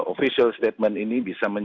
official statement ini bisa